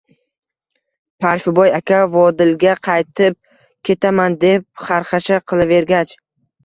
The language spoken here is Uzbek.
Parfiboy aka Vodilga qaytib ketaman, deb xarxasha qilavergach